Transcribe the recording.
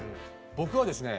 僕はですね